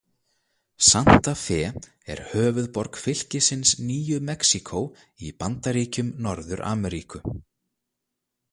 Santa Fe er höfuðborg fylkisins Nýju Mexíkó í Bandaríkjum Norður-Ameríku.